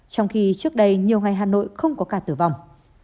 trong khi trước đây nhiều ngày hà nội không có ca tử vong